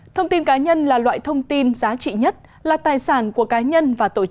thông tin cá nhân là loại thông tin giá trị nhất là tài sản của cá nhân